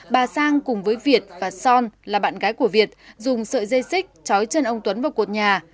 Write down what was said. bà sang cùng với việt và son là bạn gái của việt dùng sợi dây xích chói chân ông tuấn vào cột nhà